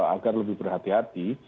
agar lebih berhati hati